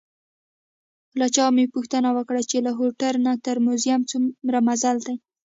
له چا مې پوښتنه وکړه چې له هوټل نه تر موزیم څومره مزل دی؟